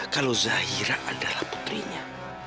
kalau zahira adalah putrinya